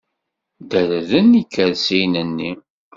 Derreren ikersiyen-nni.